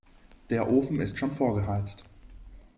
Der Ofen ist schon vorgeheizt.